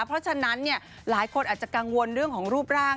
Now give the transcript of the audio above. เพราะฉะนั้นหลายคนอาจจะกังวลเรื่องของรูปร่าง